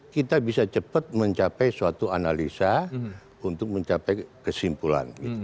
kita bisa cepat mencapai suatu analisa untuk mencapai kesimpulan